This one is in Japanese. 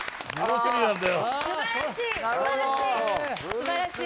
すばらしい。